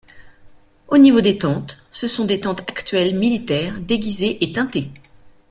Au niveau des tentes, ce sont des tentes actuelles militaires déguisées et teintées.